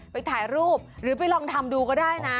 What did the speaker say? ไปถ่ายรูปหรือไปลองทำดูก็ได้นะ